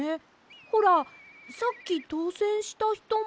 ほらさっきとうせんしたひとも。